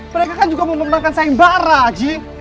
mereka kan juga mau memenangkan saing barah aji